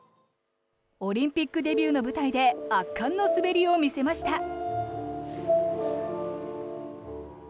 オリンピックデビューの舞台で圧巻の滑りを見せました。